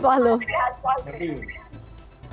selamat malam hari ini selamat malam sehat selalu